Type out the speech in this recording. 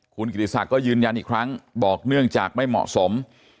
คุณกิติศักดิ์ก็ยืนยันอีกครั้งบอกเนื่องจากไม่เหมาะสม